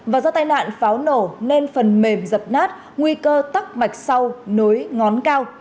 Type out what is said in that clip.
và do tai nạn pháo nổ nên phần mềm dập nát nguy cơ tắc mạch sau nối ngón cao